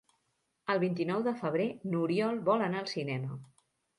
El vint-i-nou de febrer n'Oriol vol anar al cinema.